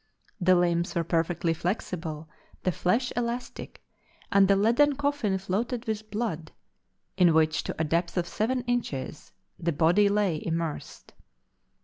The limbs were perfectly flexible, the flesh elastic; and the leaden coffin floated with blood, in which to a depth of seven inches, the body lay immersed.